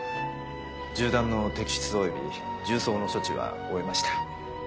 銃弾の摘出および銃創の処置は終えました。